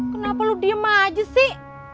kenapa lu diem aja sih